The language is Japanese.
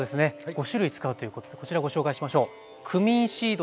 ５種類使うということでこちらご紹介しましょう。